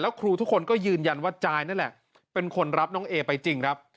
ทุกทุกคนก็ยืนยันว่าจายนั่นแหละสำเร็จเลย